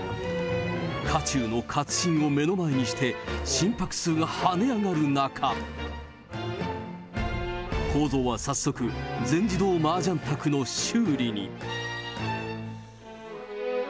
渦中の勝新を目の前にして、心拍数が跳ね上がる中、公造は早速、全自動マージャン卓の修理に。